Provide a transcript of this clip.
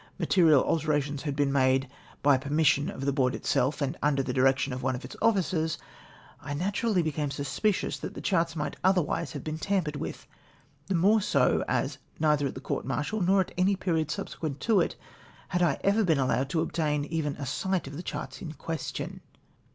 material alterations had been made hy j^er mission of the Board itself and under the direction of one of its officers — I naturally Ijecame suspicious that the charts might otlierwise have been tampered with ; the more so, as neither at the court martial, nor at any period sub sequent to it, had I ever been allowed to obtain even a sight of the charts in question.